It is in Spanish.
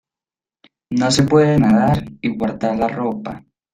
No se puede nadar y guardar la ropa.